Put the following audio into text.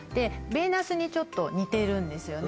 米なすにちょっと似てるんですよね